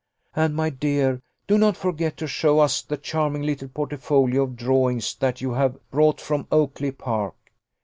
And, my dear, do not forget to show us the charming little portfolio of drawings that you have brought from Oakly park.